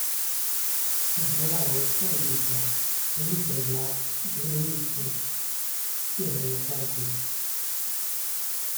Se dio la vuelta y dijo 'Little Black Riding Hood', y regresó al club.